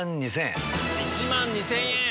１万２０００円。